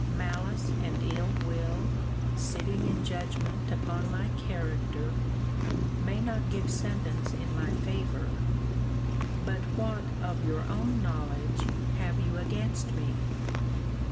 Malice and ill will, sitting in judgment upon my character, may not give sentence in my favour: But what of your own knowledge have you against me?